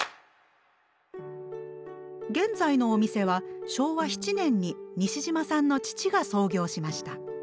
現在のお店は昭和７年に西島さんの父が創業しました。